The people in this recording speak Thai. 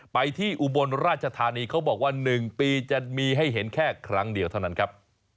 ไปที่อุบลราชธานีเขาบอกว่า๑ปีจะมีให้เห็นแค่ครั้งเดียวเท่านั้นครับ